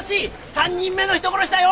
３人目の人殺しだよ！